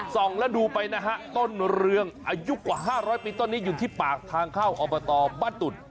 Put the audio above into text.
ส่องแล้วดูไปนะฮะต้นเรืองอายุกว่า๕๐๐ปีต้นนี้อยู่ที่ปากทางเข้าอบตบ้านตุ่น